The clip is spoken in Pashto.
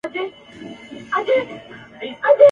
جوړه کړې په قلا کي یې غوغاوه !.